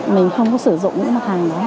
mình không có sử dụng những cái hàng đó